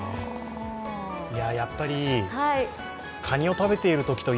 やっぱりカニを食べているときと